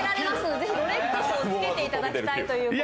ぜひ、ロレックスをつけていただきたいということで。